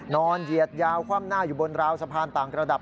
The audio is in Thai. เหยียดยาวคว่ำหน้าอยู่บนราวสะพานต่างระดับ